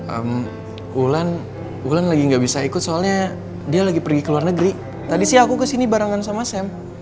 kebetulan bulan lagi nggak bisa ikut soalnya dia lagi pergi ke luar negeri tadi sih aku kesini barengan sama sam